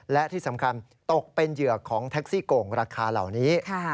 และที่สำคัญตกเป็นเหยื่อของแท็กซี่โก่งราคาเหล่านี้